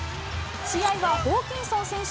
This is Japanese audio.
試合はホーキンソン選手